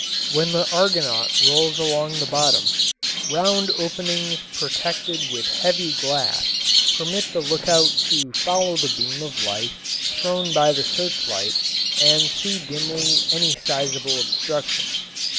When the Argonaut rolls along the bottom, round openings protected with heavy glass permit the lookout to follow the beam of light thrown by the searchlight and see dimly any sizable obstruction.